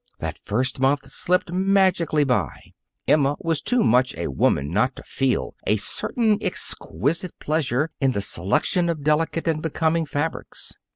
That first month slipped magically by. Emma was too much a woman not to feel a certain exquisite pleasure in the selecting of delicate and becoming fabrics.